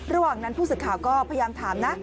ระหว่างนั้นผู้สื่อข่าวก็พยายามถามนะ